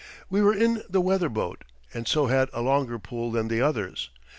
We were in the weather boat, and so had a longer pull than the others.